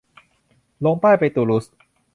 ลงใต้ไปตูลูส